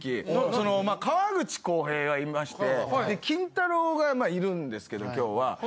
その河口こうへいがいましてキンタローがいるんですけど今日は。